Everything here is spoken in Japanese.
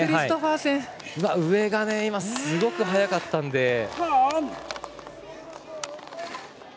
上がすごく速かったんで。